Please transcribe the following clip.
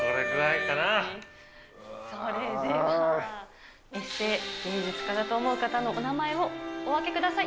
それでは、エセ芸術家だと思う方のお名前をお上げください。